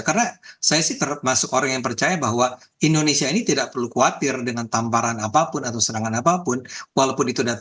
karena saya sih termasuk orang yang percaya bahwa indonesia ini tidak perlu khawatir dengan tamparan apapun atau serangan apapun